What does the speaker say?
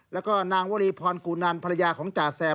แล้วก็นางวรีพรกูนันภรรยาของจ่าแซม